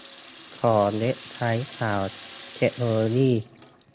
ของเว็บไซต์ข่าวเทคโนโลยี